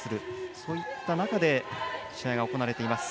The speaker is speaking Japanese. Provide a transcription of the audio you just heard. そういった中で試合が行われています。